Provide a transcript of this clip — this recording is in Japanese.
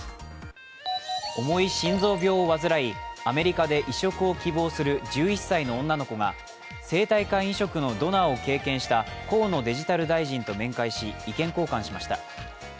重い心臓病を患いアメリカで移植を希望する１１歳の女の子が、生体肝移植のドナーを経験した河野デジタル大臣と面会し意見交換しました。